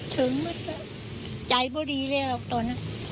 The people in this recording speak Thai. ถึงมันแล้วใจก็ดีแล้วตอนนั้น